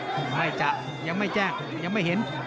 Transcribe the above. ไม่จะยังไม่แจ้งยังไม่เห็น